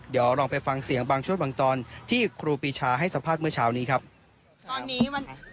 เดี๋ยวลองไปฟังเสียงบางช่วงบางตอนที่ครูปีชาให้สัมภาษณ์เมื่อเช้านี้ครับ